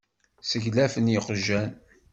Seglafen yeqjan.